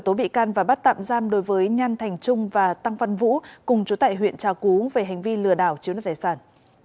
tố bị can và bắt tạm giam đối với nhan thành trung và tăng văn vũ cùng chủ tại huyện trà cú về hành vi lừa đảo chiếu đất tài sản